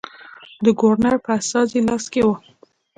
د ګورنر په استازي لاس کې وه.